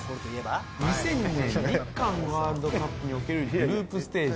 ２００２年日韓ワールドカップにおけるグループステージ